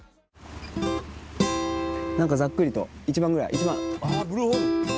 何かざっくりと１番ぐらい１番。